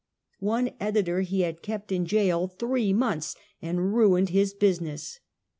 One editor he had kept in jail three months and ruined his business.